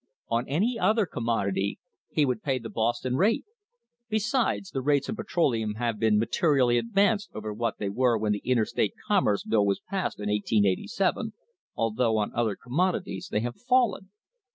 On any other commodity he would pay the Boston rate. Besides, the rates on petroleum have been materially advanced over what they were when the Interstate Commerce Bill was passed in 1887, although on other commodities they have fallen.